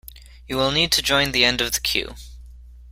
You will need to join the end of the queue.